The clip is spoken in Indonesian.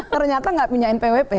ternyata tidak punya npwp